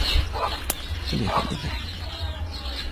فليكن إذن!